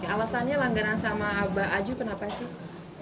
alasannya langgaran sama abah aju kenapa sih